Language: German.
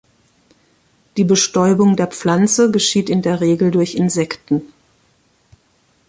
Die Bestäubung der Pflanze geschieht in der Regel durch Insekten.